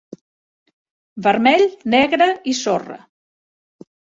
Vermell, negre i sorra.